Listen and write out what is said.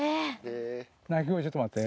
鳴き声ちょっと待って。